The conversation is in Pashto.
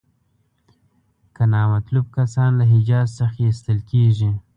که نامطلوب کسان له حجاز څخه ایستل کیږي.